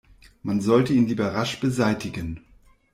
Man sollte ihn lieber rasch beseitigen.